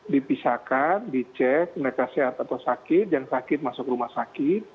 dipisahkan dicek mereka sehat atau sakit jangan sakit masuk rumah sakit